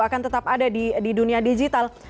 akan tetap ada di dunia digital